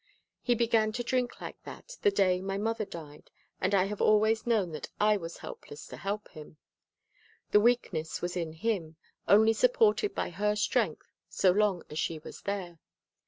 He began to drink like that the day my mother died and I have always known that I was helpless to help him. The weakness was in him, only supported by her strength so long as she was there.